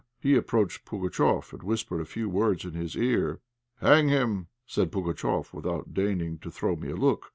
He approached Pugatchéf, and whispered a few words in his ear. "Hang him!" said Pugatchéf, without deigning to throw me a look.